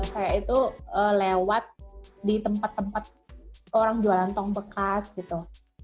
kayak itu lewat di tempat tempat orang jualan tong bekas gitu